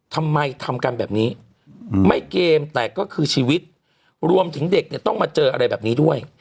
ทำไมทำกันแบบนี้ไม่เกมแต่ก็คือชีวิตรวมถึงเด็กเนี่ยต้องมาเจออะไรแบบนี้ด้วย